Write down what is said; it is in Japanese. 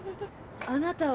あなたは。